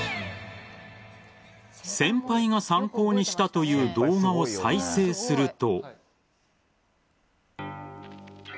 先輩が参考にしたという動画を再生すると。